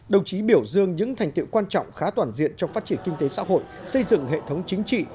đồng chí biểu dương những thành tiệu quan trọng khá toàn diện trong phát triển kinh tế xã hội xây dựng hệ thống chính trị